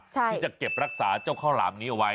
ที่จะเก็บรักษาเจ้าข้าวหลามนี้เอาไว้